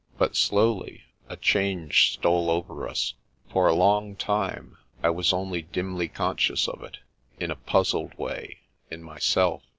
But slowly a change stole over us. For a long time I was only dimly conscious of it, in a puzzl^ way, in myself.